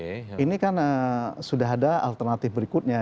ini kan sudah ada alternatif berikutnya